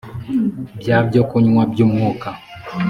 bya byokunywa by umwuka